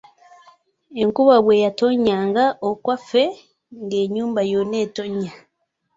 Enkuba bwe yatonnyanga okwaffe ng’ennyumba yonna etonnya.